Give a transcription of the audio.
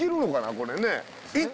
これねえ。